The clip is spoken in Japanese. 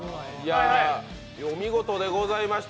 お見事でございました。